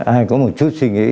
ai có một chút suy nghĩ